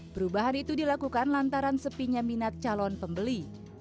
perubahan itu dilakukan lantaran sepinya minat calon pembeli